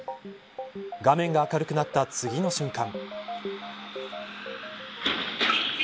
画面が明るくなった次の瞬間。